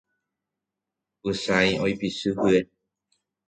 Pychãi oipichy hye.